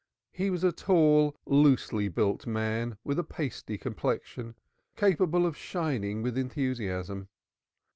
He was a tall, loosely built man, with a pasty complexion capable of shining with enthusiasm.